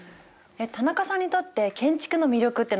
田中さんにとって建築の魅力って何ですか？